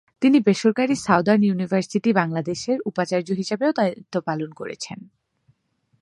তিনি বেসরকারি Southern University Bangladesh এর উপাচার্য হিসেবেও দায়িত্ব পালন করেছেন।